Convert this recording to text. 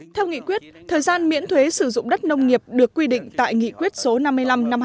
theo nghị quyết thời gian miễn thuế sử dụng đất nông nghiệp được quy định tại nghị quyết số năm mươi năm năm hai nghìn một mươi